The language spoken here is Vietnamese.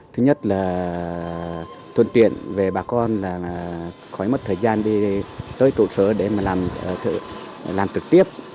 thứ nhất là thuận tiện về bà con là khói mất thời gian đi tới trụ sở để mà làm trực tiếp